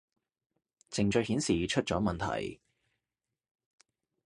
程序顯示出咗問題